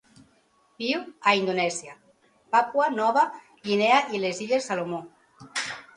Viu a Indonèsia, Papua Nova Guinea i les Illes Salomó.